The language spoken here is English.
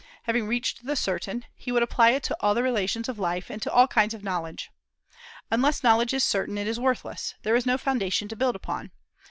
Having reached the certain, he would apply it to all the relations of life, and to all kinds of knowledge. Unless knowledge is certain, it is worthless, there is no foundation to build upon.